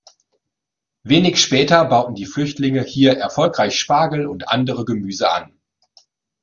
Wenig später bauten die Flüchtlinge hier erfolgreich Spargel und andere Gemüse an.